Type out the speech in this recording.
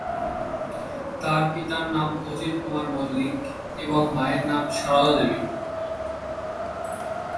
তার পিতার নাম অজিত কুমার মল্লিক এবং মায়ের নাম সারদা দেবী।